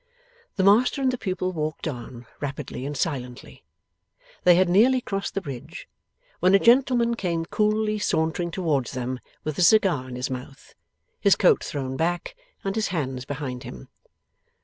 The master and the pupil walked on, rapidly and silently. They had nearly crossed the bridge, when a gentleman came coolly sauntering towards them, with a cigar in his mouth, his coat thrown back, and his hands behind him.